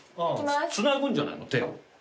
つなぐんじゃないの？手を。